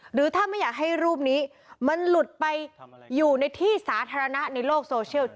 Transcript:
หรือถ้าไม่อยากให้รูปนี้มันหลุดไปอยู่ในที่สาธารณะในโลกโซเชียล